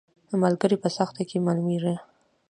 ملګری په سخته کې معلومیږي